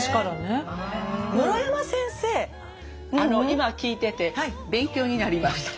今聞いてて勉強になりました。